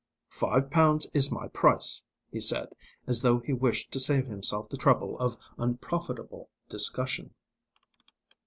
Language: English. "Five pounds is my price," he said, as though he wished to save himself the trouble of unprofitable discussion.